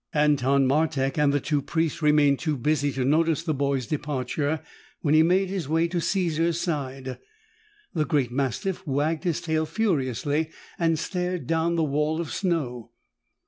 Anton Martek and the two priests remained too busy to notice the boy's departure when he made his way to Caesar's side. The great mastiff wagged his tail furiously and stared down the wall of snow.